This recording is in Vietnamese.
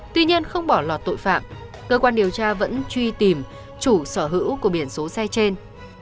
tuy nhiên không bỏ lọt tội phạm cơ quan điều tra vẫn truy tìm chủ sở hữu của biển số xe trên